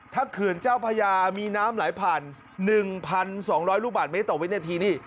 ถ้าเขื่อนเจ้าพญามีน้ำไหลผ่าน๑๒๐๐ลูกบาทเมตรต่อวินาทีนี่